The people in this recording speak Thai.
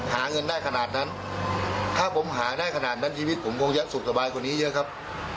หาเงินได้ขนาดนั้นถ้าผมหาได้ขนาดนั้นชีวิตผมคงจะสุขสบายกว่านี้เยอะครับ